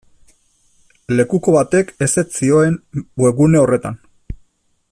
Lekuko batek ezetz zioen webgune horretan.